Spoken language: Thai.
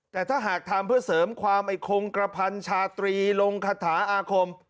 แต่ถ้าหากทำเพื่อเสริมความไอ้คงกระพันชาตรีลงคาถาอาคม